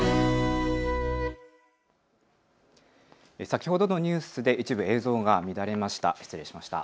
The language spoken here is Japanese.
先ほどのニュースで一部、映像が乱れました。